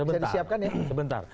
bisa disiapkan ya